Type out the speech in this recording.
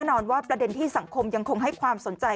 นอนว่าประเด็นที่สังคมยังคงให้ความสนใจ